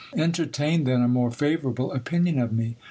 Entertain, then, a more favourable opinion of me.